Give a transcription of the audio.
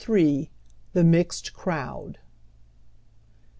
THE MIXED CROWD.